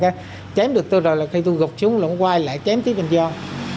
chém được tôi rồi là khi tôi gục chúng ông quay lại chém tiếp anh giòn